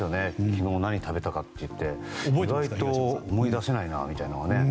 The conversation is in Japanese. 昨日何食べたかって、意外と思い出せないなっていうのは。